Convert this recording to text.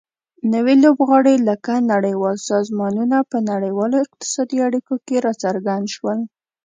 نوي لوبغاړي لکه نړیوال سازمانونه په نړیوالو اقتصادي اړیکو کې راڅرګند شول